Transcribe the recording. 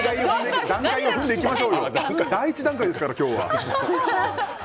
第１段階ですから、今日は。